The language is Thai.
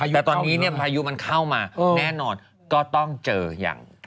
แต่ตอนนี้พายุมันเข้ามาแน่นอนก็ต้องเจออย่าง